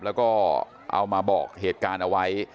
แล้วก็เอามาบอกเหตุการณ์เอาไว้